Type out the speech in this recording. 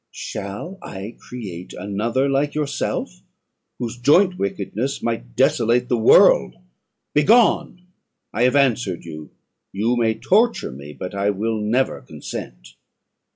Shall I create another like yourself, whose joint wickedness might desolate the world. Begone! I have answered you; you may torture me, but I will never consent."